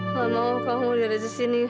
gak mau kamu liat aja sini